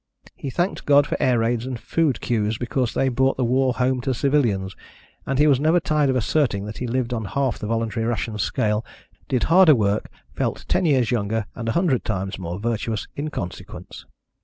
He thanked God for air raids and food queues because they brought the war home to civilians, and he was never tired of asserting that he lived on half the voluntary rations scale, did harder work, felt ten years younger, and a hundred times more virtuous, in consequence.